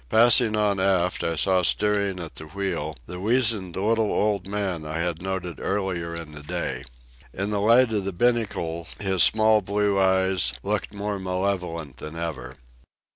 Passing on aft, I saw steering at the wheel the weazened little old man I had noted earlier in the day. In the light of the binnacle his small blue eyes looked more malevolent than ever.